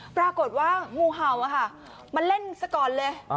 ปรากฏว่างูเห่าอะค่ะมันเล่นสักก่อนเลย